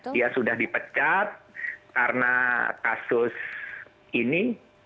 dia sudah dipecat karena kasus ini